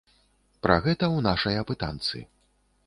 Пра гэта ў нашай апытанцы.